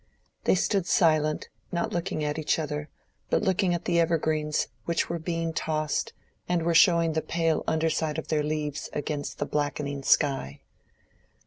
They stood silent, not looking at each other, but looking at the evergreens which were being tossed, and were showing the pale underside of their leaves against the blackening sky.